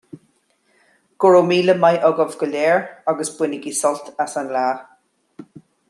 Go raibh míle maith agaibh go léir, agus bainigí sult as an lá